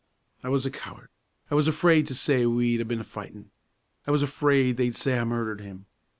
"I was a coward. I was afraid to say we'd been a fightin'; I was afraid they'd say I murdered him.